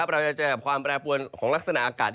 เราจะเจอกับความแปรปวนของลักษณะอากาศ